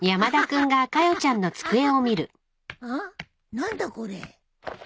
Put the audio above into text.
何だこれ？